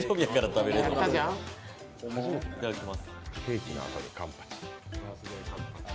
いただきます。